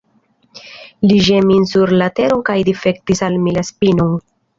Li ĵetis min sur la teron kaj difektis al mi la spinon.